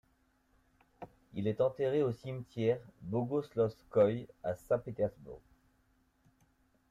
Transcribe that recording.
Il est enterré au cimetière Bogoslovskoïe à Saint-Pétersbourg.